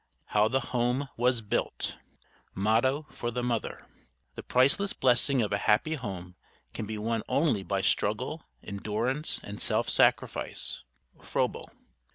HOW THE HOME WAS BUILT MOTTO FOR THE MOTHER The priceless blessing of a happy home can be won only by struggle, endurance, and self sacrifice. FROEBEL.